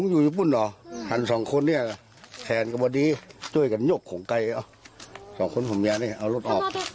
อยู่ญี่ปุ่นเหรอหันสองคนเนี่ยแขนก็พอดีช่วยกันยกของไกลเอาสองคนผมยาวนี่เอารถออก